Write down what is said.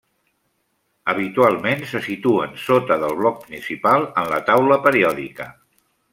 Habitualment, se situen sota del bloc principal en la taula periòdica.